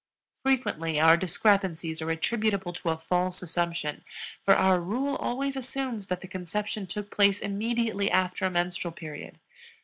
Frequently such discrepancies are attributable to a false assumption, for our rule always assumes that the conception took place immediately after a menstrual period.